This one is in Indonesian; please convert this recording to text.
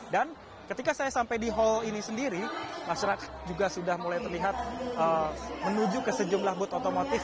dan ketika saya sampai di hall ini sendiri masyarakat juga sudah mulai terlihat menuju ke sejumlah booth otomotif